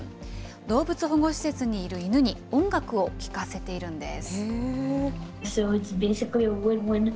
動物保護施設にいる犬に、音楽を聴かせているんです。